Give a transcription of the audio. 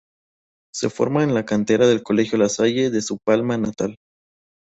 Se forma en la cantera del Colegio La Salle de su Palma natal.